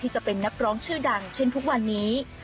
จะเป็นนักร้องชื่อดังเช่นทุกวันนี้